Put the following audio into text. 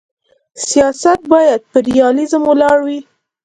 سیاست باید پر ریالیزم ولاړ وي.